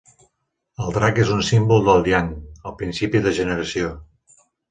El drac és un símbol del yang, el principi de generació.